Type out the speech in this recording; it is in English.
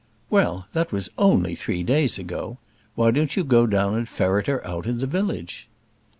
"Well, that was only three days ago. Why don't you go down and ferret her out in the village?"